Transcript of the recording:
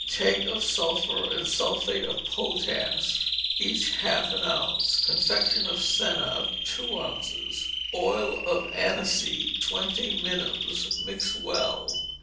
Take of sulphur and sulphate of potash, each half an ounce; confection of senna, two ounces; oil of aniseed, twenty minims; mix well.